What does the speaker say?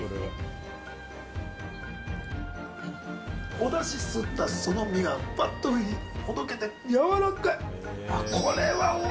おダシ吸ったその身がほどけて、やわらかい！